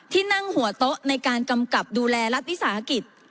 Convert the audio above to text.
ที่นั่งหัวโต๊ะในการกำกับดูแลรัฐวิสาหกิจ